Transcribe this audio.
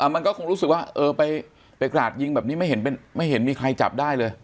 มันก็คงรู้สึกว่าไปกราดยิงแบบนี้ไม่เห็นมีใครจับได้เลย